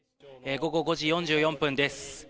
午後５時４４分です。